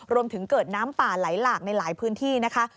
รวมถึงเกิดน้ำป่าไหลหลากในหลายพื้นที่นะคะ